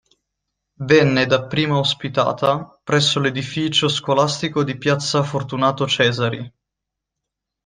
Venne dapprima ospitata presso l'edificio scolastico di piazza Fortunato Cesari.